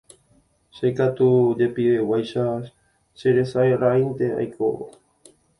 Che katu jepiveguáicha cheresaráinte aikóvo.